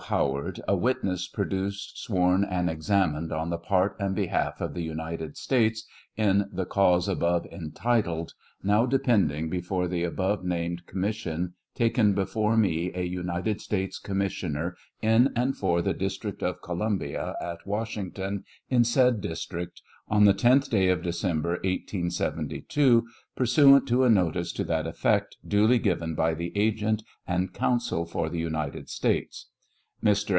Howard, a witness produced, sworn, and examined on the part and behalf of the United States in the cause above entitled, now depend ing before the abovenamed Commission, taken before me, a United States commissioner in and for the Dis trict of Columbia, at Washington, in said district, on the tenth Day of December, 1872, pursuant to a notice to that effect duly given by the Agent and Counsel for the United States. Mr.